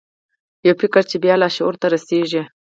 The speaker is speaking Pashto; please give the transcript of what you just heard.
یو فکر چې بیا بیا لاشعور ته رسیږي